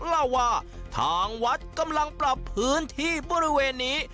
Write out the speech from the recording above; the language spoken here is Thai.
เล่าว่าทางวัดกำลังปรับพื้นที่บริเวณนี้